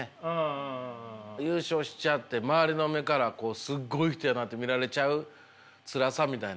優勝しちゃって周りの目からこうすっごい人やなって見られちゃうつらさみたいなね。